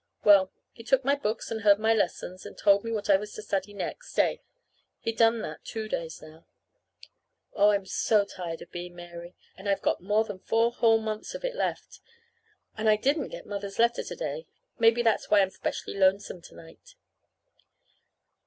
Well, he took my books and heard my lessons, and told me what I was to study next day. He's done that two days now. Oh, I'm so tired of being Mary! And I've got more than four whole months of it left. I didn't get Mother's letter to day. Maybe that's why I'm specially lonesome to night.